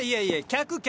客！